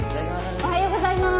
おはようございます。